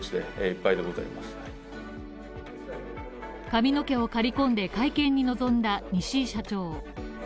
髪の毛を刈り込んで会見に臨んだ西井社長。